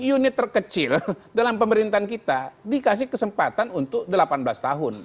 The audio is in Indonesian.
unit terkecil dalam pemerintahan kita dikasih kesempatan untuk delapan belas tahun